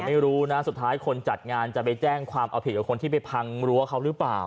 ไม่รู้นะสุดท้ายคนจัดงานจะไปแจ้งความเอาผิดกับคนที่ไปพังรั้วเขาหรือเปล่า